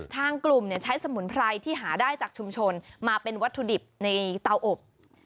ทางกลุ่มใช้สมุนไพรที่หาได้จากชุมชนมาเป็นวัตถุดิบในเตาอบ